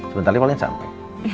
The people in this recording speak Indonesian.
sebentar lagi paling sampe